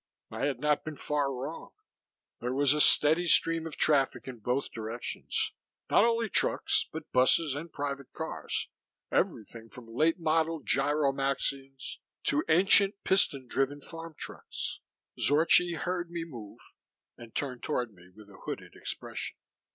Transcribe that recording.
I had not been far wrong. There was a steady stream of traffic in both directions not only trucks but buses and private cars, everything from late model gyromaxions to ancient piston driven farm trucks. Zorchi heard me move, and turned toward me with a hooded expression.